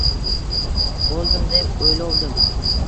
O`ldim, deb o`ylovdim